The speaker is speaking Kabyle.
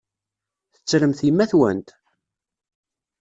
Tettremt yemma-twent?